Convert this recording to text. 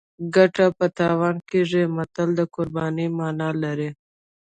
ګټه په تاوان کیږي متل د قربانۍ مانا لري